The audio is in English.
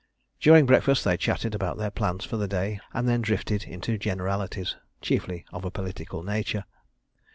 During breakfast they chatted about their plans for the day, and then drifted into generalities, chiefly of a political nature.